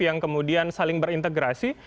yang kemudian saling berintegrasi